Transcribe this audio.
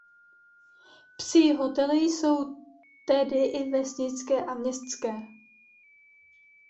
Psí hotely jsou tedy i vesnické a městské.